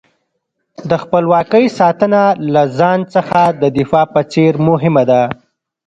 د خپلواکۍ ساتنه له ځان څخه د دفاع په څېر مهمه ده.